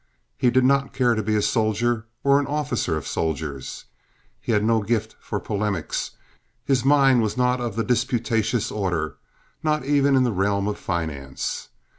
He did not care to be a soldier or an officer of soldiers; he had no gift for polemics; his mind was not of the disputatious order—not even in the realm of finance.